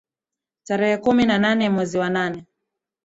Tarehe kumi na nane mwezi wa nane